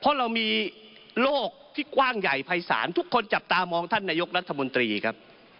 เพราะเรามีโลกที่กว้างใหญ่ภายศาลทุกคนจับตามองท่านนายกรัฐมนตรีครับ